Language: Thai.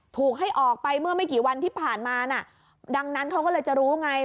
ถูกให้ออกไปเมื่อไม่กี่วันที่ผ่านมาน่ะดังนั้นเขาก็เลยจะรู้ไง